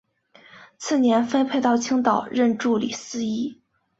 次年分配到青岛任助理司铎。